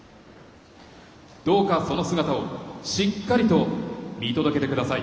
どうかその姿をしっかりと見届けてください。